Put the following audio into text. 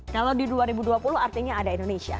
kalau di dua ribu dua puluh artinya ada indonesia